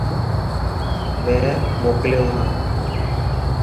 مين موڪليو هان.